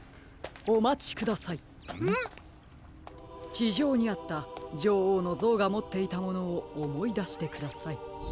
ちじょうにあったじょおうのぞうがもっていたものをおもいだしてください。